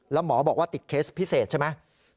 แล้วหมอบอกว่าติดเคสพิเศษใช่ไหม